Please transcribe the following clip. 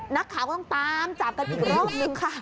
นักข่าวก็ต้องตามจับกันอีกรอบหนึ่งค่ะ